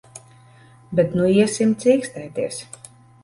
Bet nu iesim cīkstēties.